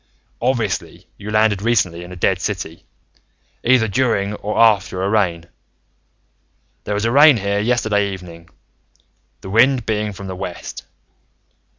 Obviously, you landed recently in a dead city, either during or after a rain. There was a rain here yesterday evening, the wind being from the west.